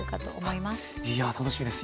いや楽しみです。